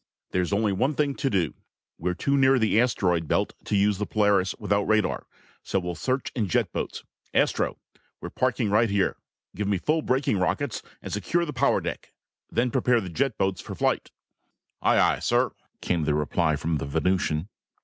"There's only one thing to do. We're too near the asteroid belt to use the Polaris without radar, so we'll search in jet boats. Astro! We're parking right here! Give me full braking rockets and secure the power deck. Then prepare the jet boats for flight." "Aye, aye, sir," came the reply from the Venusian.